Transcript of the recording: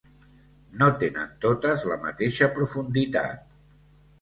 No tenen totes la mateixa profunditat.